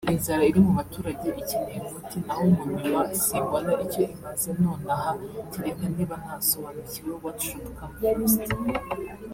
Inzara iri mubaturage ikeneye umuti naho monument simbona icyo imaze nonaha cyereka niba ntasobanukiwe what should come first